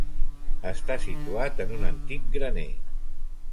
Està situat en un antic graner.